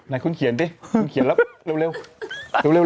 ไหนคุณเขียนดิคุณเขียนแล้วเร็ว